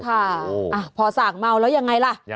ค่ะพอส่างเมาแล้วยังไงล่ะ